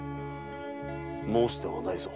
申すではないぞ。